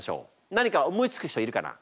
何か思いつく人いるかな？